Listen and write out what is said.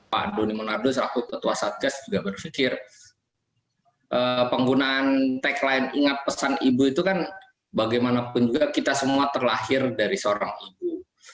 pak doni monardo selaku ketua satgas juga berpikir penggunaan tagline ingat pesan ibu itu kan bagaimanapun juga kita semua terlahir dari seorang ibu